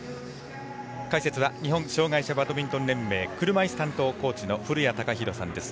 解説は日本障がい者バドミントン連盟車いす担当コーチの古屋貴啓さんです。